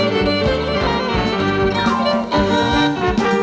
สวัสดีครับ